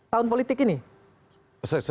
tahun politik ini